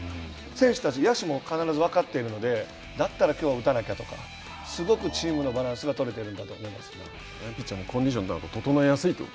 選手たち野手も分かっているのでだったらきょうは打たなきゃとかすごくチームのバランスが取れてピッチャーのコンディションもそうなんです。